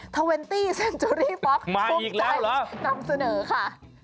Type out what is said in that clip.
ทะเวนตี้เซ็นจูรี่ป๊อปมาอีกแล้วเหรอนำเสนอค่ะ